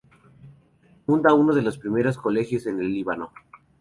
Funda uno de los primeros colegios en el Líbano.